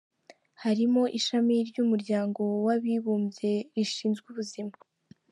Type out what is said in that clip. harimo Ishami ry’Umuryango w’Abibumbye rishinzwe ubuzima.